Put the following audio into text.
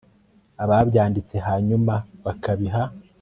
ababyanditse hanyuma bakabiha